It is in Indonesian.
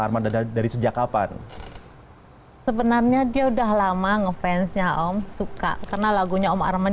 arman dan dari sejak kapan sebenarnya dia udah lama ngefans nya om suka karena lagunya om arman